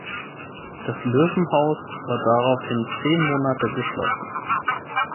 Das Löwenhaus war daraufhin zehn Monate geschlossen.